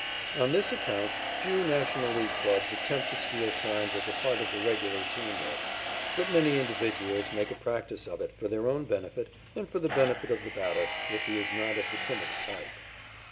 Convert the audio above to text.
On this account few National League clubs attempt to steal signs as a part of the regular team work, but many individuals make a practice of it for their own benefit and for the benefit of the batter, if he is not of the timid type.